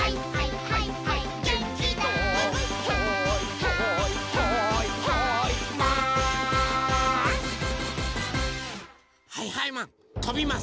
はいはいマンとびます！